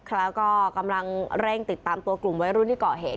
แล้วก็กำลังเร่งติดตามตัวกลุ่มวัยรุ่นที่เกาะเหตุ